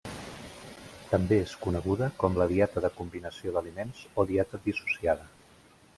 També és coneguda com la dieta de combinació d'aliments o dieta dissociada.